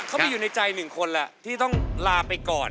เขามีอยู่ในใจหนึ่งคนแหละที่ต้องลาไปก่อน